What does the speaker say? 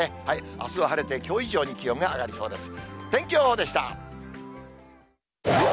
あすは晴れて、きょう以上に気温が上がりそうです。